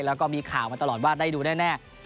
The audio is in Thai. แล้วก็มีข่าวมาตลอดว่าได้ดูแน่